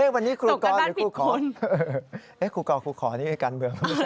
วันนี้ครูกรหรือครูครเอ๊ะครูกรครูครนี่กันเหมือนกัน